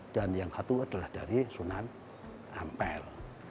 dan yang satu adalah dari sunan ampel